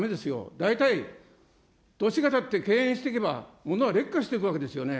大体、年がたって経営していけば、物は劣化していくわけですよね。